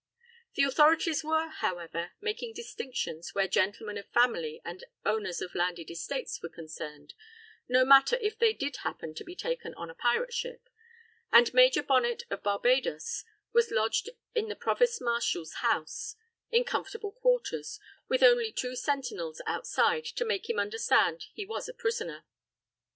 The authorities were, however, making distinctions where gentlemen of family and owners of landed estates were concerned, no matter if they did happen to be taken on a pirate ship, and Major Bonnet of Barbadoes was lodged in the provost marshal's house, in comfortable quarters, with only two sentinels outside to make him understand he was a prisoner.